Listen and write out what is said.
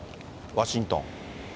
ワシントン。